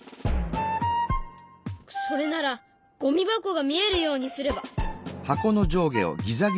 それならゴミ箱が見えるようにすれば。